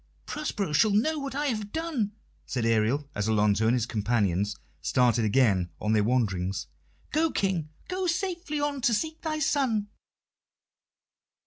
"Prospero shall know what I have done," said Ariel, as Alonso and his companions started again on their wanderings. "Go, King go safely on to seek thy son."